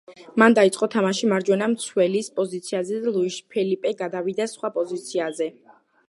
მან დაიწყო თამაში მარჯვენა მცველის პოზიციაზე და ლუიშ ფელიპე გადავიდა სხვა პოზიციაზე.